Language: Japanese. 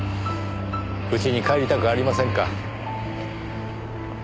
家に帰りたくありませんか？